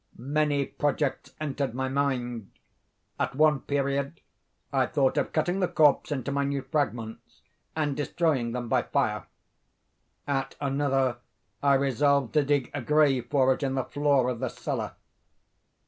Many projects entered my mind. At one period I thought of cutting the corpse into minute fragments, and destroying them by fire. At another, I resolved to dig a grave for it in the floor of the cellar.